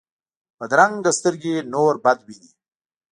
بدرنګه سترګې نور بد ویني